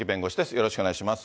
よろしくお願いします。